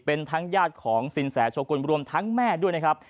เป็นทั้งญาติของสินแสโชกุลรวมทั้งแม่ด้วยนะครับ